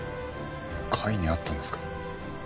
甲斐に会ったんですか？